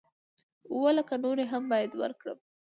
اووه لکه نورې هم بايد ورکړم.